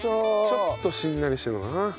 ちょっとしんなりしてるのかな。